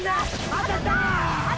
当たった！